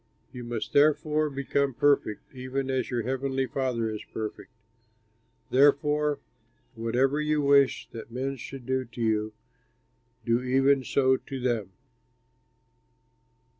You must therefore become perfect, even as your heavenly Father is perfect. "Therefore, whatever you wish that men should do to you, do even so to them."